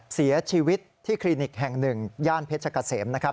เสียชีวิตที่คลินิกแห่งหนึ่งย่านเพชรกะเสมนะครับ